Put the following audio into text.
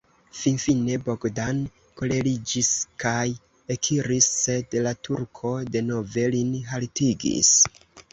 Finfine Bogdan koleriĝis kaj ekiris, sed la turko denove lin haltigis.